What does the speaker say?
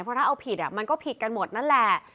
เพราะถ้าเอาผิดมันก็ผิดกันหมดนั่นแหละ